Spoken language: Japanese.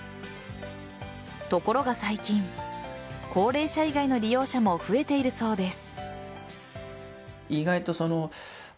ところが最近高齢者以外の利用者も増えているそうです。